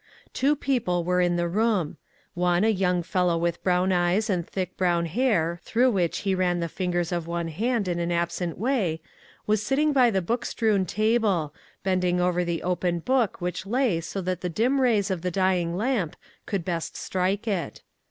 Two people were in the room. One, a young fellow with brown eyes and thick, brown hair, through which he ran the fin gers of one hand in an absent way, was sitting by the book strewn table, bending over the open book which lay so that the dim rays from the dying lamp could best strike it.